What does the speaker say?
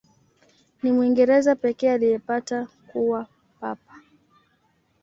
Ni Mwingereza pekee aliyepata kuwa Papa.